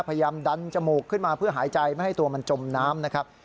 พยายามดันจมูกขึ้นมาเพื่อหายใจไม่ให้ตัวมันจมน้ำนะครับ